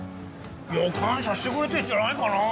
いや感謝してくれてるんじゃないかな。